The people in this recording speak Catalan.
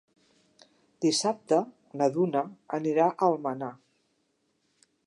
Dissabte na Duna anirà a Almenar.